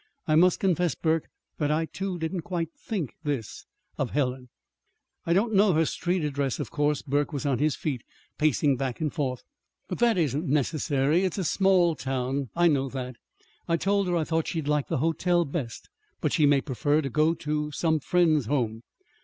"I must confess, Burke, that I, too, didn't quite think this of Helen." "I don't know her street address, of course." Burke was on his feet, pacing back and forth. "But that isn't necessary. It's a small town I know that. I told her I thought she'd like the hotel best; but she may prefer to go to some friend's home.